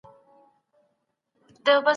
احمد شاه ابدالي څنګه د جګړې وروسته پريکړې کولې؟